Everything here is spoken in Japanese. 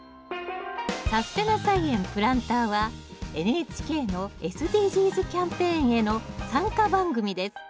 「さすてな菜園プランター」はＮＨＫのＳＤＧｓキャンペーンへの参加番組です。